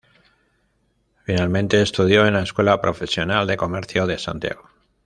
Finalmente estudió en la Escuela Profesional de Comercio de Santiago.